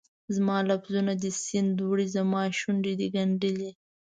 زما لفظونه دي سیند وړي، زماشونډې دي ګنډلي